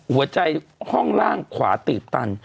หัวใจห้องล่างขวาตีบตัน